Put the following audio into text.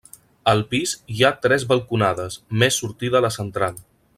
Al pis hi ha tres balconades, més sortida la central.